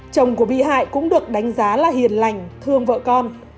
chồng của bị hại cũng được đánh giá là hiền lành thương vợ con